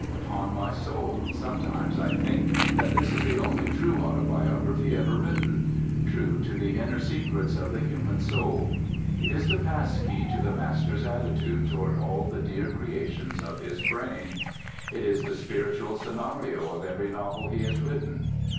Upon my soul, sometimes I think that this is the only true autobiography ever written: true to the inner secrets of the human soul. It is the passkey to the Master's attitude toward all the dear creations of his brain; it is the spiritual scenario of every novel he has written.